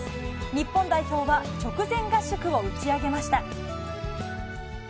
日本代表は直前合宿を打ち上げました。